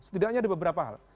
setidaknya ada beberapa hal